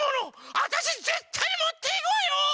わたしぜったいもっていくわよ！